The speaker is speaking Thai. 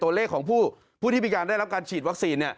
ตัวเลขของผู้ที่มีการได้รับการฉีดวัคซีน